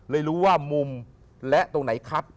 เลยรู้ว่ามุมและตรงไหนครับ